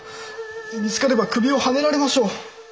見つかれば首をはねられましょう。